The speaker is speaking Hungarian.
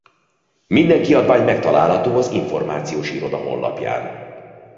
Minden kiadvány megtalálható az Információs Iroda honlapján.